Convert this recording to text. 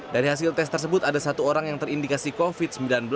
dari hasil tes tersebut ada satu orang yang terindikasi covid sembilan belas